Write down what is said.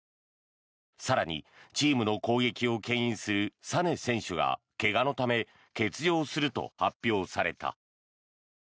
更に、チームの攻撃をけん引するサネ選手が怪我のため欠場すると発表された。